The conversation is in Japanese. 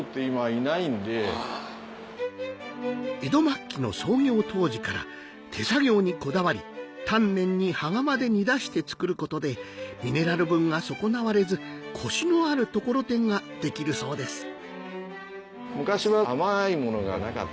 江戸末期の創業当時から手作業にこだわり丹念に羽釜で煮出して作ることでミネラル分が損なわれずコシのあるところてんができるそうですお。